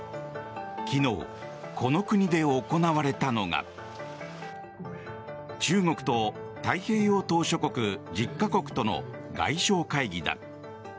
昨日、この国で行われたのが中国と太平洋島しょ国１０か国との外相会議だ。